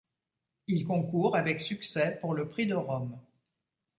Il concourt, avec succès, pour le prix de Rome.